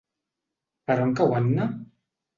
Per on cau Anna?